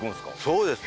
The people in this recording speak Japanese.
そうです。